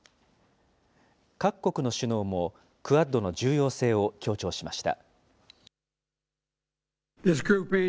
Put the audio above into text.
各国の首脳も、クアッドの重要性を強調しました。